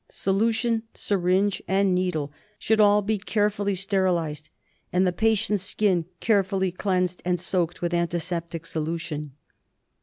So lution, syringe and needle should all be carefully sterilised and the patient's skin carefully cleansed and soaked with antiseptic solution.